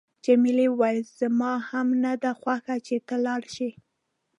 جميلې وويل: زما هم نه ده خوښه چې ته لاړ شې.